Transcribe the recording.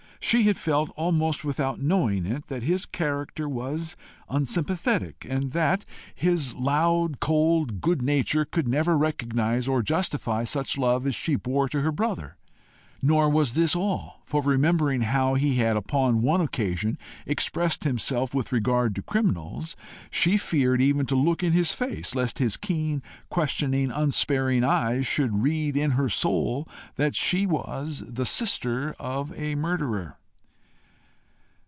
She had felt, almost without knowing it, that his character was unsympathetic, and that his loud, cold good nature could never recognise or justify such love as she bore to her brother! Nor was this all; for, remembering how he had upon one occasion expressed himself with regard to criminals, she feared even to look in his face, lest his keen, questioning, unsparing eye should read in her soul that she was the sister of a murderer.